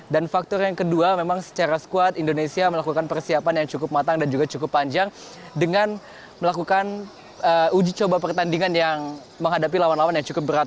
faktor yang kedua memang secara squad indonesia melakukan persiapan yang cukup matang dan juga cukup panjang dengan melakukan uji coba pertandingan yang menghadapi lawan lawan yang cukup berat